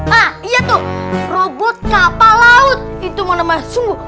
hah iya tuh robot kapal laut itu mau nama sungguh